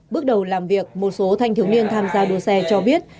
bước đầu làm việc một số thanh thiếu niên tham gia đua xe cho biết